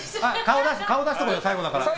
顔出しとこうよ、最後だから。